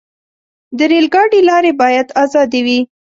د ریل ګاډي لارې باید آزادې وي.